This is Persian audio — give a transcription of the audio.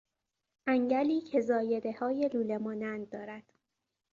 انگلی که زایدههای لوله مانند دارد